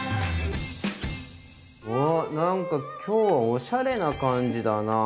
おなんか今日はおしゃれな感じだな。